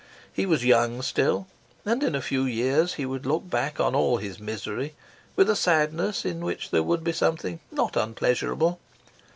He was young still, and in a few years he would look back on all his misery with a sadness in which there would be something not unpleasurable.